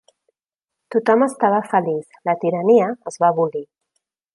Tothom estava feliç, la tirania es va abolir.